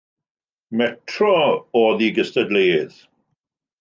“Metro” oedd ei gystadleuydd.